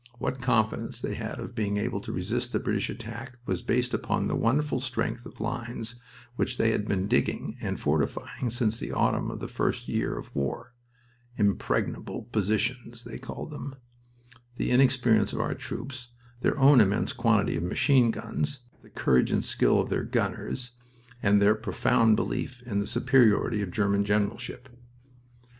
What confidence they had of being able to resist the British attack was based upon the wonderful strength of the lines which they had been digging and fortifying since the autumn of the first year of war "impregnable positions," they had called them the inexperience of our troops, their own immense quantity of machine guns, the courage and skill of their gunners, and their profound belief in the superiority of German generalship.